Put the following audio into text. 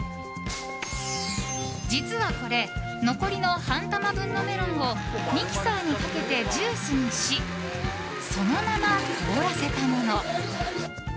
実はこれ残りの半玉分のメロンをミキサーにかけてジュースにしそのまま凍らせたもの。